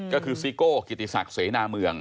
ก็คือซิโก้กิติศักดิ์เสนาเมือง